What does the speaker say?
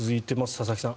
佐々木さん